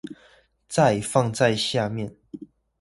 再放在下面